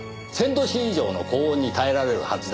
℃以上の高温に耐えられるはずです。